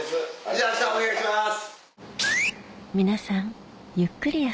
じゃああしたお願いします。